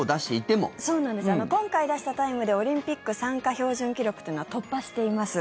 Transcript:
今回出したタイムでオリンピック参加標準記録というのは突破しています。